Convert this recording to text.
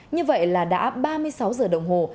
như vậy là đã ba mươi sáu giờ đồng hồ